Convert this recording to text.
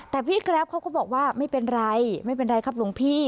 แต่พี่แกรปเขาก็บอกว่าไม่เป็นไรไม่เป็นไรครับหลวงพี่